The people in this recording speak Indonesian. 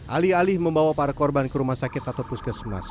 alih alih membawa para korban ke rumah sakit atau puskesmas